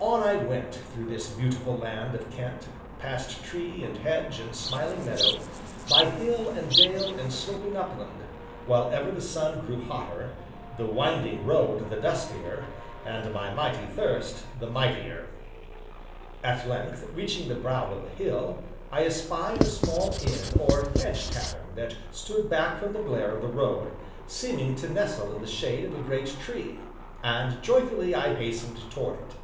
On I went, through this beautiful land of Kent, past tree and hedge and smiling meadow, by hill and dale and sloping upland, while ever the sun grew hotter, the winding road the dustier, and my mighty thirst the mightier. At length, reaching the brow of a hill, I espied a small inn or hedge tavern that stood back from the glare of the road, seeming to nestle in the shade of a great tree, and joyfully I hastened toward it.